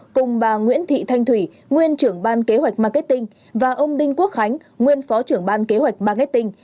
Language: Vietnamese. cùng bà nguyễn thị thanh thủy nguyên trưởng ban kế hoạch marketing và ông đinh quốc khánh nguyên phó trưởng ban kế hoạch marketing